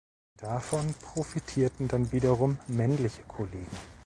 Davon profitierten dann wiederum männliche Kollegen.